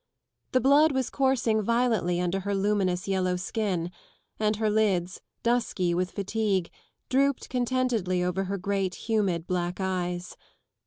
The blood was coursing violently under her luminous yellow skin, and her lids, dusky with fatigue, drooped contentedly over her great humid black eyes.